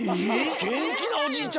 げんきなおじいちゃん